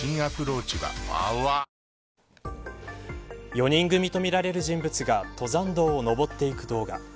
４人組とみられる人物が登山道を登っていく動画。